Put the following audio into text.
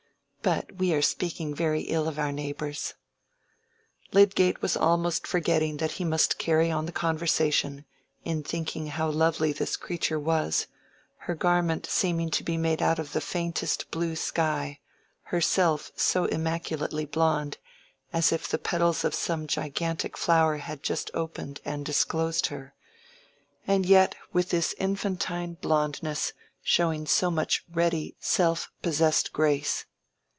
"But we are speaking very ill of our neighbors." Lydgate was almost forgetting that he must carry on the conversation, in thinking how lovely this creature was, her garment seeming to be made out of the faintest blue sky, herself so immaculately blond, as if the petals of some gigantic flower had just opened and disclosed her; and yet with this infantine blondness showing so much ready, self possessed grace.